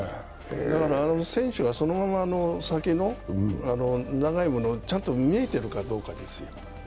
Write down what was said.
選手がそのまま先の長いものがちゃんと見えているかどうかですよ。